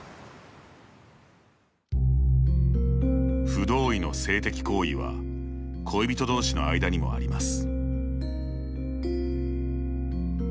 不同意の性的行為は恋人どうしの間にもあります。